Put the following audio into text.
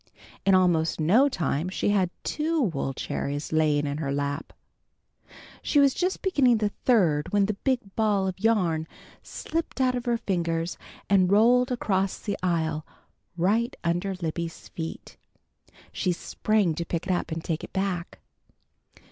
In almost no time she had two wool cherries lying in her lap. She was just beginning the third when the big ball of yarn slipped out of her fingers, and rolled across the aisle right under Libby's feet. She sprang to pick it up and take it back.